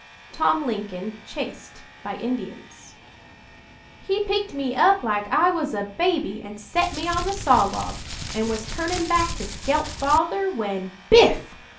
TOM LINCOLN CHASED BY INDIANS "He picked me up like I was a baby an set me on the sawlog, an' was turnin' back to skelp Father, when biff!